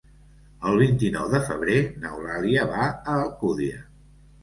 El vint-i-nou de febrer n'Eulàlia va a Alcúdia.